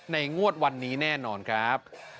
งวดวันนี้แน่นอนครับ